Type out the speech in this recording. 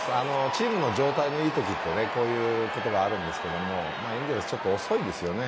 チームの状態の良いときはこういうことがあるんですがエンゼルスはちょっと遅いですよね。